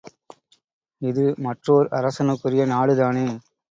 இது மற்றோர் அரசனுக்குரிய நாடு தானே!